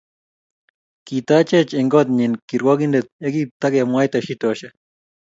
Kitachech eng kot nyi kirwakindet yakipkemwaitai shitoshek